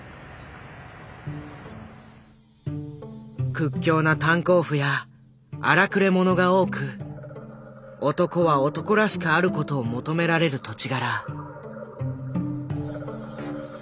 屈強な炭鉱夫や荒くれ者が多く男は男らしくある事を求められる土地柄。